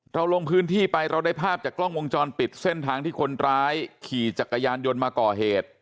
เราลงพื้นที่ไปเราได้ภาพจากกล้องวงจรปิดเส้นทางที่คนร้ายขี่จักรยานยนต์มาก่อเหตุ